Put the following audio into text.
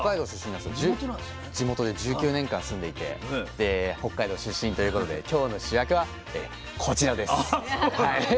地元で１９年間住んでいてで北海道出身ということで今日の主役はこちらです。